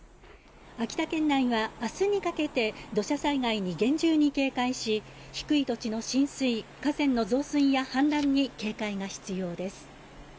秋田県内はあすにかけて土砂災害に厳重に警戒し、低い土地の浸水、河川の増水や氾濫に警戒が必要です。